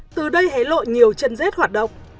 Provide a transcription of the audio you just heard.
từ đây hé lộ nhiều chân rết hoạt động